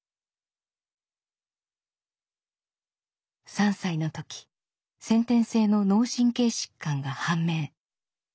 ３歳の時先天性の脳神経疾患が判明。